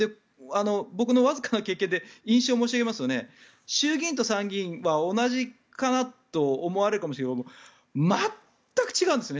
僕のわずかな経験で印象を申し上げますと衆議院と参議院は同じかなと思われるかもしれませんが全く違うんですよね。